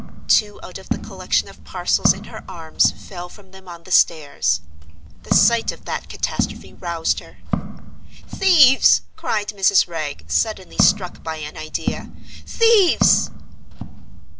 Two out of the collection of parcels in her arms fell from them on the stairs. The sight of that catastrophe roused her. "Thieves!" cried Mrs. Wragge, suddenly struck by an idea. "Thieves!"